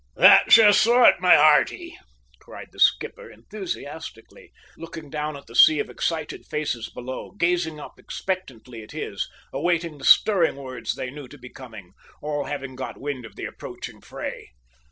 "That's your sort, my hearty," cried the skipper enthusiastically, looking down at the sea of excited faces below gazing up expectantly at his, awaiting the stirring words they knew to be coming, all having got wind of the approaching fray.